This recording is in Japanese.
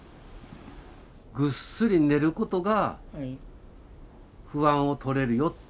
ぐっすり寝ることが不安を取れるよ。